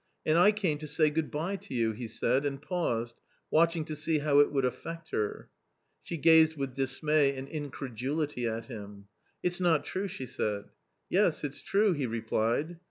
" And I came to say good bye to you !" he said and paused, watching to see how it would affect her. She gazed with dismay and incredulity at him. " It's not true," she said. " Yes, it's true !" he replied.